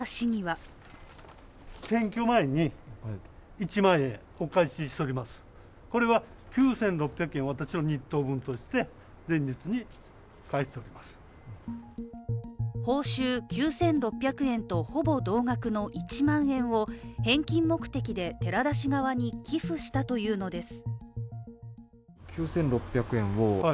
更に岩原市議は報酬９６００円とほぼ同額の１万円を返金目的で寺田氏側に寄付したというのです。